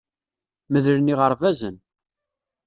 Medlen yiɣerbazen.